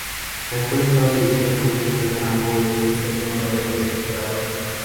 La escuela estaba dirigida por un fiscal de rango ecuestre nombrado por el emperador.